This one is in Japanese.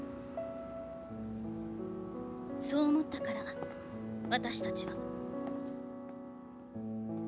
そう思ったから私たちは。